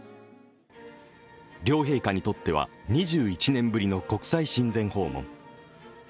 両陛下にとっては２１年ぶりの国際親善訪問。